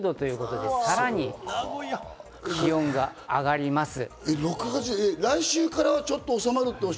さらに気温が上がります。